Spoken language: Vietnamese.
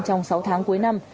trong sáu tháng cuối năm